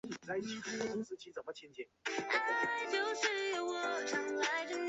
塑胶模型的开发以及贩售是由寿屋所进行的。